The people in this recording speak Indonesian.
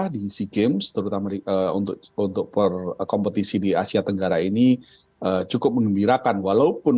di sea games terutama untuk kompetisi di asia tenggara ini cukup mengembirakan walaupun